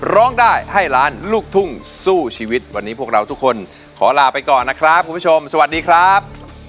ร้องได้ให้ล้านลูกทุ่งสู้ชีวิตวันนี้พวกเราทุกคนขอลาไปก่อนนะครับคุณผู้ชมสวัสดีครับ